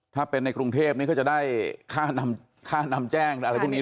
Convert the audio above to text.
ถ้าเป็นในกรุงเทพนี้ก็จะได้ค่านำแจ้งอะไรพวกนี้